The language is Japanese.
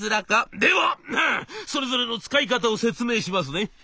ではそれぞれの使い方を説明しますねフフ。